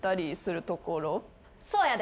そうやで。